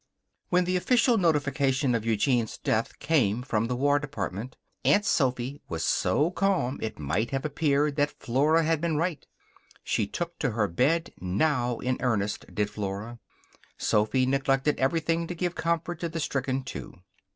When the official notification of Eugene's death came from the War Department, Aunt Sophy was so calm it might have appeared that Flora had been right. She took to her bed now in earnest, did Flora. Sophy neglected everything to give comfort to the stricken two.